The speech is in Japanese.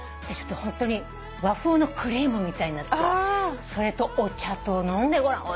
ホントに和風のクリームみたいになってそれとお茶と飲んでごらん。